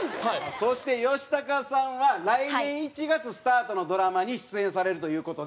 そして、吉高さんは来年１月スタートのドラマに出演されるという事で。